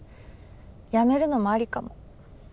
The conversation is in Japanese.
辞めるのもありかも。